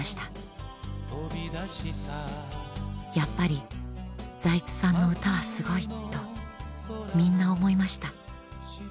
やっぱり財津さんの歌はすごいとみんな思いました。